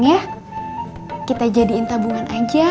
kita hanya menjadikan tabungan